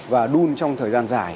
và đun trong thời gian dài